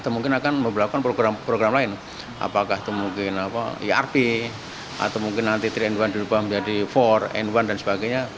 mungkin akan memperlakukan program program lain apakah itu mungkin irp atau mungkin nanti tiga in satu dirubah menjadi empat in satu dan sebagainya